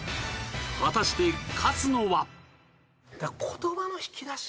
果たして勝つのは？